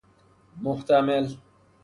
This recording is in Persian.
محتمل